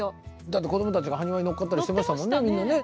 だって子供たちがハニワに乗っかったりしてましたもんね。